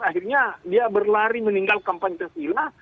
akhirnya dia berlari meninggalkan pancasila